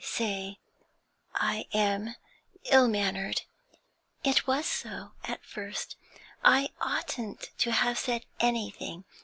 'Say I am ill mannered. It was so, at first; I oughtn't to have said anything.